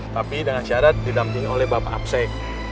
tapi dengan syarat didampingi oleh bapak apsek